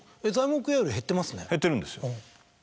減ってるんですよ。